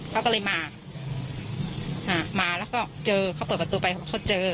เขาก็เลยมามาแล้วก็เจอเขาเปิดประตูไปเขาเจอ